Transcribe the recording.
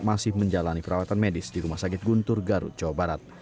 masih menjalani perawatan medis di rumah sakit guntur garut jawa barat